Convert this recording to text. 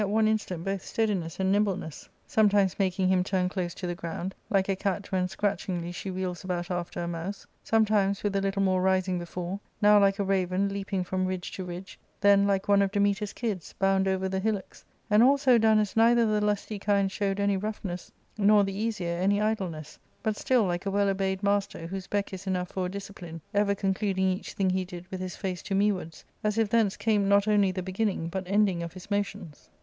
Book IL OTtft instant bo^ steadiness and nimbleneiss ; sometimes makihg him turn cloec to the ground, like a cat when scratch i ingly she wheels about after a mouse ; sometimes with a little more rising^ before ; now like a mven, leaping from ridge to ddge, then, like one of Dametas' kids, bound over the hillocks ; and all so done as neither the httty kind showed any roughness, nor the easier any idleness, but still like a well obeyed master, whose beck is enough for a discipline, •ever concluding each thing he did with his face to me wards, as if thence came not only the beginning but ending of his motions.